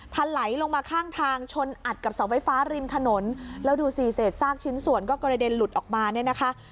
ถลายลงมาข้างทางชนอัดกับเสาไฟฟ้าริมถนนแล้วดูสิเศษซากชิ้นส่วนก็กระเด็นหลุดออกมาเนี่ยนะคะ